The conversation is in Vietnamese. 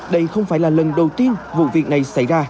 đây không phải là lần đầu tiên vụ việc này xảy ra